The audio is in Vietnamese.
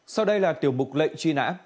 sau đây là tiểu mục lệnh truy nã